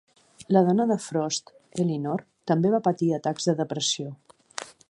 La dona de Frost, Elinor, també va patir atacs de depressió.